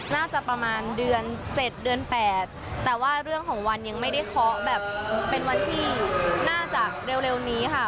น่าจะประมาณเดือน๗เดือน๘แต่ว่าเรื่องของวันยังไม่ได้เคาะแบบเป็นวันที่น่าจะเร็วนี้ค่ะ